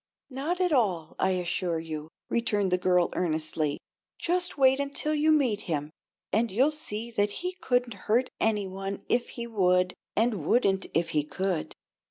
"Not at all, I assure you," returned the girl, earnestly. "Just wait until you meet him, and you'll see that he couldn't hurt any one if he would, and wouldn't if he could."